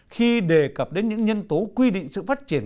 khi đề cập đến những nhân tố quy định sự phát triển